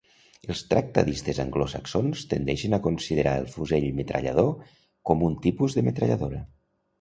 Els tractadistes anglosaxons tendeixen a considerar el fusell metrallador com un tipus de metralladora.